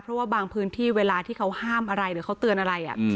เพราะว่าบางพื้นที่เวลาที่เขาห้ามอะไรหรือเขาเตือนอะไร